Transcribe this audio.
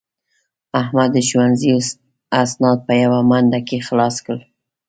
احمد د ښوونځي اسناد په یوه منډه کې خلاص کړل.